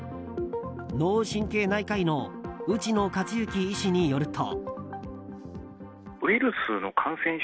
脳神経内科医の内野勝行医師によると。